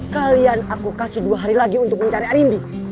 kalian aku kasih dua hari lagi untuk mencari arimbi